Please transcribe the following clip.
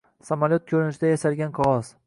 • Samolyot ko‘rinishida yasalgan qog‘oz